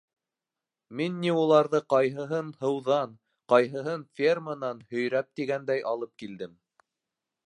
Мин ни уларҙы ҡайһыһын һыуҙан, ҡайһыһын ферманан һөйрәп тигәндәй алып килдем.